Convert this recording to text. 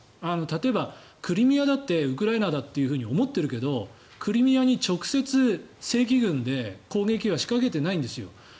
例えば、クリミアだってウクライナだって思っているけどクリミアに直接、正規軍で攻撃は仕掛けてないんですよ。